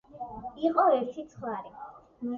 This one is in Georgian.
იყო ერთი ცხვარი